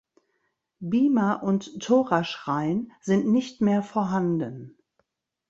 Bima und Toraschrein sind nicht mehr vorhanden.